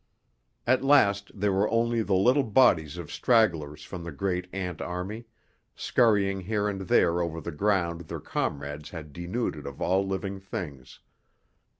At last there were only the little bodies of stragglers from the great ant army, scurrying here and there over the ground their comrades had denuded of all living things.